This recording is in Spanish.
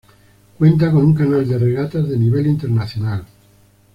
Cuenta con un canal de regatas de nivel internacional.